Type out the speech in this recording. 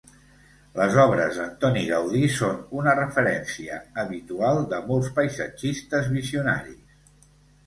Les obres d'Antoni Gaudí són una referència habitual de molts paisatgistes visionaris.